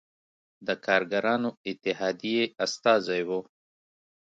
د کارګرانو اتحادیې استازی و.